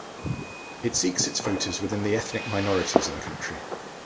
It seeks its voters within the ethnic minorities in the country.